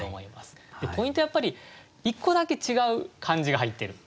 でポイントはやっぱり１個だけ違う漢字が入ってる。